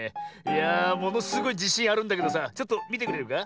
いやあものすごいじしんあるんだけどさちょっとみてくれるか？